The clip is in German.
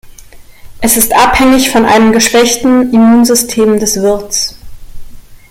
Es ist abhängig von einem geschwächten Immunsystem des Wirts.